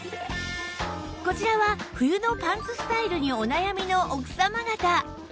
こちらは冬のパンツスタイルにお悩みの奥様方